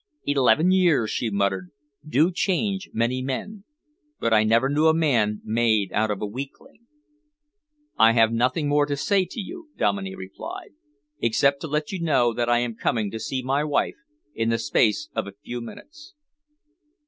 "Eleven years," she muttered, "do change many men, but I never knew a man made out of a weakling." "I have nothing more to say to you," Dominey replied, "except to let you know that I am coming to see my wife in the space of a few minutes."